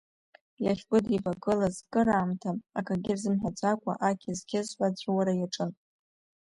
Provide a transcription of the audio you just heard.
Иахьгәыдибакылаз кыр аамҭа акагьы рзымҳәаӡакәа ақьызқьызҳәа аҵәуара иаҿын.